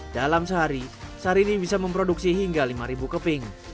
dalam sehari sehari ini bisa memproduksi hingga lima keping